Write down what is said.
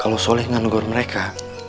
kalau soleh nganggur mereka